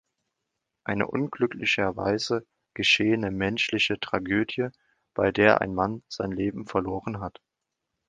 Eine unglücklicherweise geschehene menschliche Tragödie, bei der ein Mann sein Leben verloren hat.